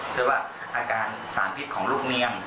เชื่อว่าอาการสารพิษของลูกเนียม